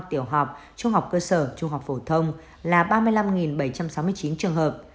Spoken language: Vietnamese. tiểu học trung học cơ sở trung học phổ thông là ba mươi năm bảy trăm sáu mươi chín trường hợp